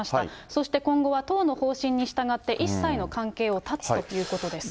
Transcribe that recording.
そして今後は党の方針に従って、一切の関係を断つということです。